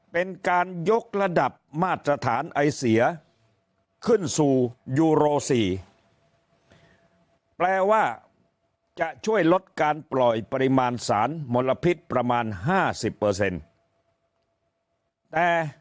เป็นการยกระดับมาตรฐานไอเสียขึ้นสู่ยูโร๔แปลว่าจะช่วยลดการปล่อยปริมาณสารมลพิษประมาณ๕๐แต่